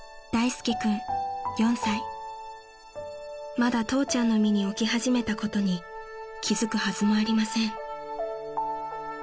［まだ父ちゃんの身に起き始めたことに気付くはずもありません］